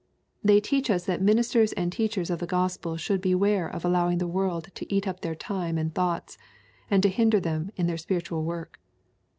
They teach us that ministers and teachers of the Grospel should beware of allowing the world to eat up their time and thoughts, and to hinder them in their spiritual work.